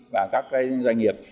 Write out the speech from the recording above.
và các doanh nghiệp